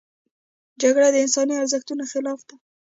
جګړه د انساني ارزښتونو خلاف ده